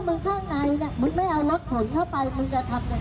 บริษัทในนายเนี่ยมึงไม่เอารถหละไปมึงจะทำอย่าง